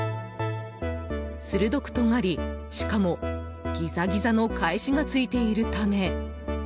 鋭くとがり、しかもギザギザの返しがついているため。